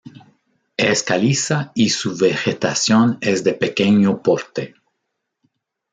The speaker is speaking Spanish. Es caliza y su vegetación es de pequeño porte.